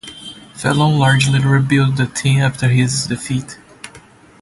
Fenlon largely rebuilt the team after this defeat.